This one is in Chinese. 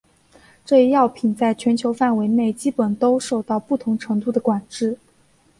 这一药品在全球范围内基本都受到不同程度的管制。